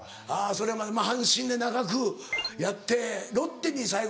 それまで阪神で長くやってロッテに最後２年か。